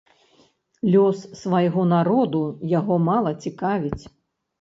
Лёс свайго народу яго мала цікавіць.